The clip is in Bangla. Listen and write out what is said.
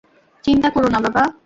চিন্তা করো না বাবা।